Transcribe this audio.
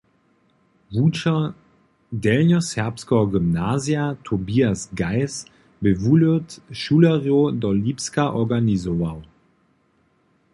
Wučer Delnjoserbskeho gymnazija Tobias Geis bě wulět šulerjow do Lipska organizował.